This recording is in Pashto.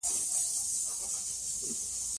څلور څيزونه د روغ ژوند ضمانت دي -